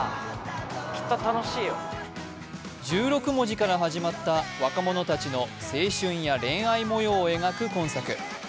１６文字から始まった若者たちの青春や恋愛を描く本作。